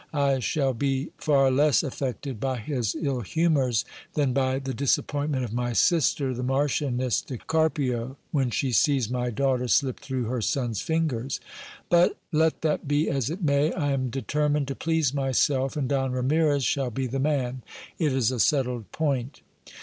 I shall be far less affected by his ill humours than by the disap pointment of my sister, the Marchioness de Carpio, when she sees my daughter slip through her son's fingers. But let that be as it may. I am determined to please myself, and Don Ramires shall be the man ; it is a settled point.